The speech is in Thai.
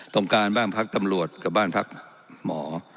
ต้องการบ้านพักตำรวจกับบ้านพักหมอ